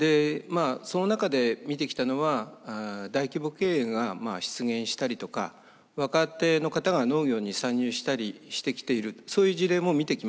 その中で見てきたのは大規模経営が出現したりとか若手の方が農業に参入したりしてきているそういう事例も見てきました。